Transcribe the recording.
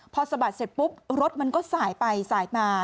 พอสะบัดเสร็จปุ๊บรถมันก็สายไปสายมา